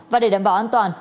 và để đảm bảo an toàn